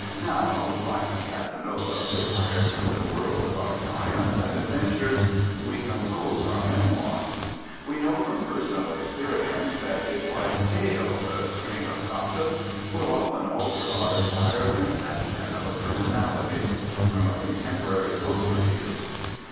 Now (like Casanova, retired from the world of our triumphs and adventures) we compose our memoirs. "We know from personal experience that a slight tale, a string of gossip, will often alter our entire conception of a personality," from a contemporary book review.